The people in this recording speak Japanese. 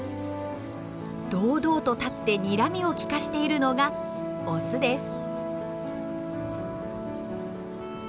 堂々と立ってにらみを利かしているのがオスです。